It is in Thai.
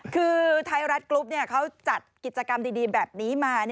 คือไทยรัฐกรุ๊ปเขาจัดกิจกรรมดีแบบนี้มา